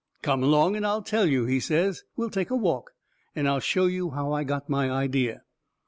"Come along and I'll tell you," he says. "We'll take a walk, and I'll show you how I got my idea."